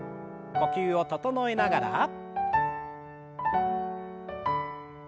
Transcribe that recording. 呼吸を整えながら。